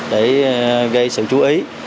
để gây sự chú ý